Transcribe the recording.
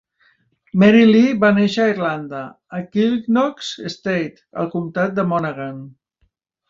Mary Lee va néixer a Irlanda, a Kilknock Estate, al comtat de Monaghan.